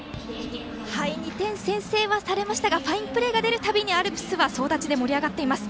２点先制されましたがファインプレーが出るたびアルプスは総立ちで盛り上がっています。